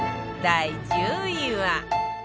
第１０位は